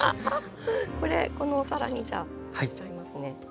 これこのお皿にじゃあのせちゃいますね。